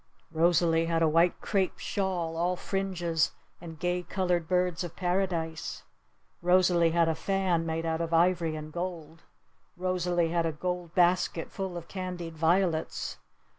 Rosalee had a white crêpe shawl all fringes and gay colored birds of paradise! Rosalee had a fan made out of ivory and gold. Rosalee had a gold basket full of candied violets.